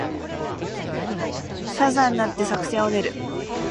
車座になって作戦を練る